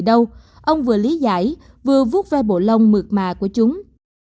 không có gì đâu ông vừa lý giải vừa vuốt ve bộ lông mượt mà của chúng